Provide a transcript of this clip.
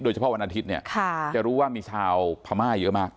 เฉพาะวันอาทิตย์เนี่ยจะรู้ว่ามีชาวพม่าเยอะมาก